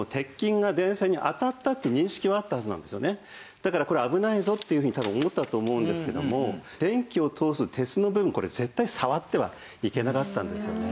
今回の場合だからこれ危ないぞっていうふうに多分思ったと思うんですけども電気を通す鉄の部分これ絶対触ってはいけなかったんですよね。